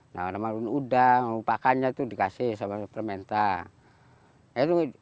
nah mangrove ini sudah lupakannya itu dikasih sama permentah